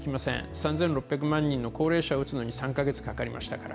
３６００万人の高齢者を打つのに３カ月かかりましたから。